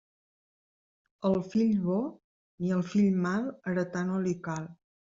Al fill bo ni al fill mal, heretar no li cal.